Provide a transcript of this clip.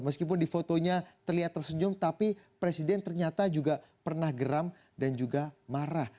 meskipun di fotonya terlihat tersenyum tapi presiden ternyata juga pernah geram dan juga marah